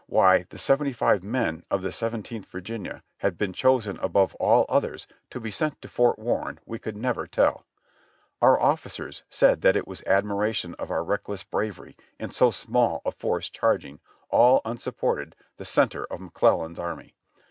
Why the seventy five men of the Seventeenth Virginia had been chosen above all others to be sent to Fort Warren we never could tell; our ofificers said that it was admiration of our reckless bra very in so small a force charging, all unsupported, the center of McClellan's army.